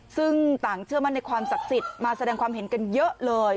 ซึ่งต่างเชื่อมั่นในความศักดิ์สิทธิ์มาแสดงความเห็นกันเยอะเลย